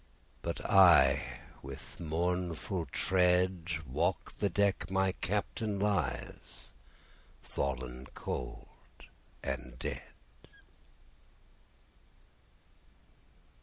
But I with mournful tread, Walk the deck my Captain lies, Fallen cold and dead.